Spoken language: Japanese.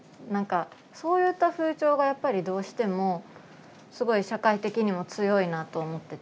なんかそういった風潮がやっぱりどうしてもすごい社会的にも強いなと思ってて。